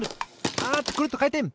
あっとくるっとかいてん！